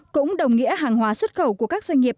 cũng đồng nghĩa hàng hóa xuất khẩu của các doanh nghiệp